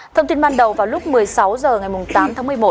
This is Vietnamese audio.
thông tin ban đầu vào lúc một mươi sáu h ngày tám tháng một mươi một